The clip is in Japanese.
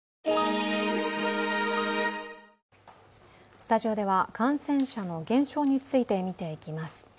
スタジオでは感染者の減少について見ていきます。